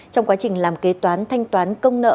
trong quá trình làm kế toán thanh toán công nợ